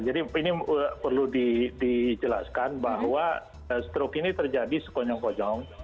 jadi ini perlu dijelaskan bahwa struk ini terjadi sekonyong konyong